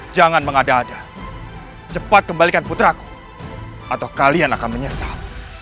jangan mengada ada cepat kembalikan putraku atau kalian akan menyesal